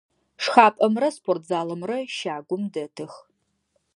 Шхапӏэмрэ спортзалымрэ щагум дэтых.